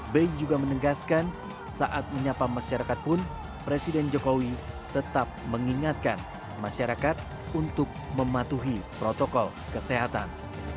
be juga menegaskan saat menyapa masyarakat pun presiden jokowi tetap mengingatkan masyarakat untuk mematuhi protokol kesehatan